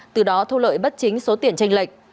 từ đó thu lợi bất chính số tiền tranh lệch